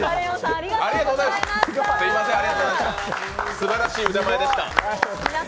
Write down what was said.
すばらしい腕前でした。